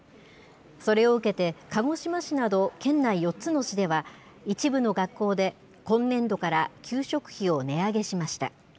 それを受けて、鹿児島市など県内４つの市では、一部の学校で今年度から給食費を値上げしました。